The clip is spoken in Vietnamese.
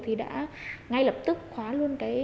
thì đã ngay lập tức khóa luôn cái nick đấy đi